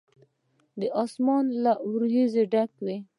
دا آسمان له وريځو ډک دی.